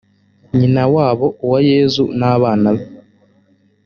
nyina wabo uwayezu n’abana be